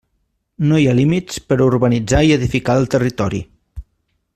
No hi ha límits per a urbanitzar i edificar el territori.